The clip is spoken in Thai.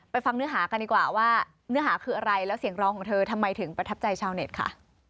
ฟังเนื้อหากันดีกว่าว่าเนื้อหาคืออะไรแล้วเสียงร้องของเธอทำไมถึงประทับใจชาวเน็ตค่ะ